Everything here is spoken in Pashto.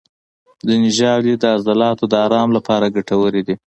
ځینې ژاولې د عضلاتو د آرام لپاره ګټورې دي.